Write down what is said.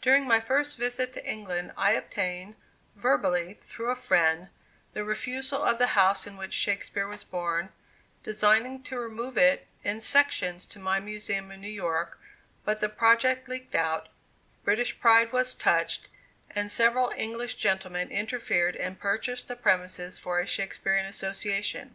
During my first visit to England I obtained, verbally, through a friend, the refusal of the house in which Shakespeare was born, designing to remove it in sections to my Museum in New York; but the project leaked out, British pride was touched, and several English gentlemen interfered and purchased the premises for a Shakespearian Association.